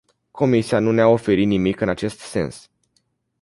Comisia nu ne-a oferit nimic în acest sens.